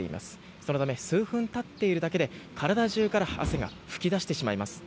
そのため、数分立っているだけで体中から汗が噴き出してしまいます。